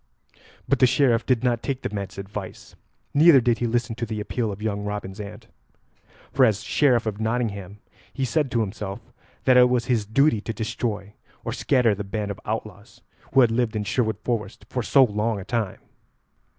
But the Sheriff did not take the man's advice, neither did he listen to the appeal of young Robin's aunt. For, as Sheriff of Nottingham, he said to himself that it was his duty to destroy or scatter the band of outlaws who had lived in Sherwood Forest for so long a time.